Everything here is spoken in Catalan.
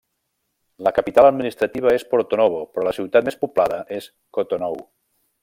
La capital administrativa és Porto-Novo, però la ciutat més poblada és Cotonou.